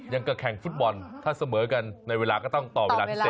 ยังก็แข่งฟุตบอลถ้าเสมอกันในเวลาก็ต้องต่อเวลาพิเศษ